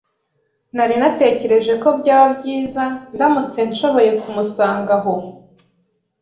Nari natekereje ko byaba byiza ndamutse nshoboye kumusanga aho.